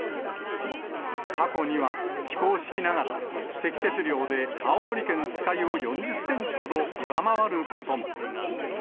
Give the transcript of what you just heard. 過去には非公式ながら積雪量で青森県酸ヶ湯を４０センチほど上回ることも。